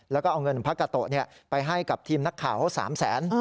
แล้วก็เอาเงินพระกาโตะไปให้กับทีมนักข่าวเขา๓แสน